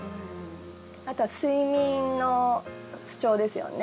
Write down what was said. あとは睡眠の不調ですよね。